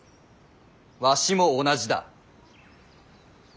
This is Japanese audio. わしも同じだ。